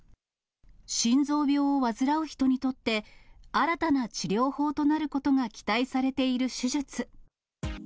心臓病を患う人にとって、新たな治療法となることが期待されている手術。